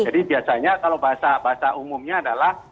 jadi biasanya kalau bahasa umumnya adalah